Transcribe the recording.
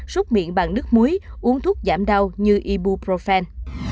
sốt miệng bằng nước muối uống thuốc giảm đau như ibuprofen